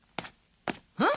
うん？